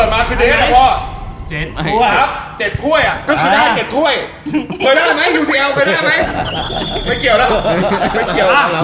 ไม่เกี่ยวล่ะ